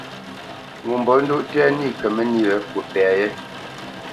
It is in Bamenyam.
Ŋo mbolə́ndóʼ tɛ́ nî kə mə́nī wě fwo pɛ yé.